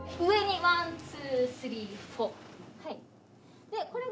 ワンツースリーフォー。